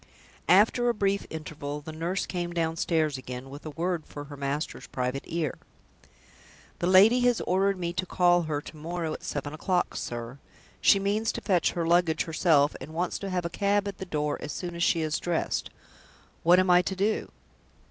After a brief interval, the nurse came downstairs again, with a word for her master's private ear. "The lady has ordered me to call her to morrow at seven o'clock, sir," she said. "She means to fetch her luggage herself, and she wants to have a cab at the door as soon as she is dressed. What am I to do?"